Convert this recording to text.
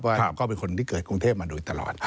ผมก็เป็นคนที่เกิดกรุงเทพมาโดยตลอด